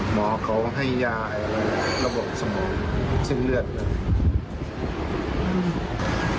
หมอเขาให้ยาอะไรระบบสมองเส้นเลือดเลย